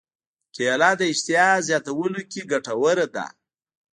کېله د اشتها زیاتولو کې ګټوره ده.